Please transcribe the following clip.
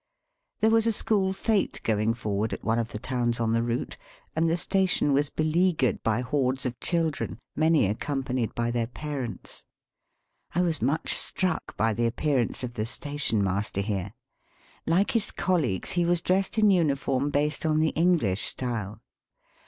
There was a school fete going forward at one of the towns on the route, and the station was beleaguered by hordes of children, many accompanied by their parents. I was much struck by the appearance of the station master here. Like his colleagues, he was dressed in uniform based on the English style.